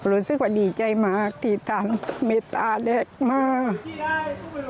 รู้สึกว่าดีใจมากที่ท่านเมตตาแรกมาก